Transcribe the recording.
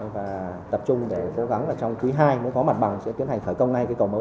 và tập trung để cố gắng trong quý hai muốn có mặt bằng sẽ tiến hành khởi công ngay cầu mới